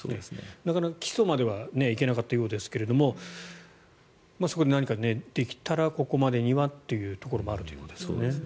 なかなか、起訴まではいけなかったようですがそこで何かできたらここまでにはというところもあるということですね。